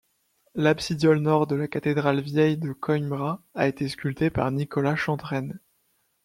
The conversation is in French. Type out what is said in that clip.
L'absidiole nord de la cathédrale vieille de Coimbra avait été sculptée par Nicolas Chantereine.